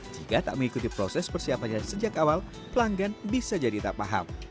jika tak mengikuti proses persiapannya sejak awal pelanggan bisa jadi tak paham